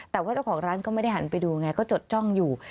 แต่ว่าเจ้าของร้านก็ไม่ได้หันไปดูไงก็จดจ้องอยู่